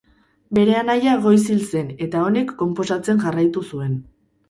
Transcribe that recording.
Bere anaia goiz hil zen eta honek konposatzen jarraitu zuen.